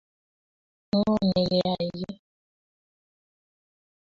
Ng'oo ne kayai kii?